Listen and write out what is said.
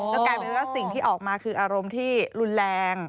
แล้วกลายเป็นว่าสิ่งที่ออกมาคืออารมณ์ที่รุนแรง